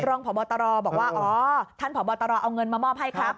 รองพระวัตรอบอกว่าอ๋อท่านพระวัตรอเอาเงินมามอบให้ครับ